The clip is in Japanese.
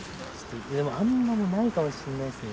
でもあんまりないかもしんないですね。